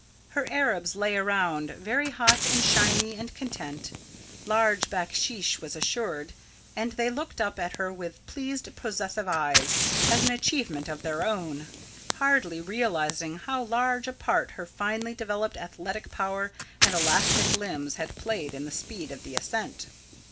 Her Arabs lay around, very hot and shiny, and content. Large backsheesh was assured, and they looked up at her with pleased possessive eyes, as an achievement of their own; hardly realising how large a part her finely developed athletic powers and elastic limbs had played in the speed of the ascent.